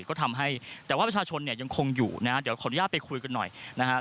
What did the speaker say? ก็ทำให้ที่ว่าผู้ชมมันยังคงอยู่นะเดี๋ยวขออนุญาตไปคุยกันหน่อยนะฮะ